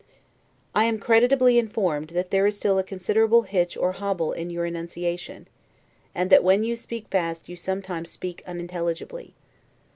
I am credibly informed, that there is still a considerable hitch or hobble in your enunciation; and that when you speak fast you sometimes speak unintelligibly.